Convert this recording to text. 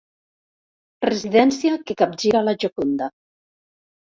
Residència que capgira la Gioconda.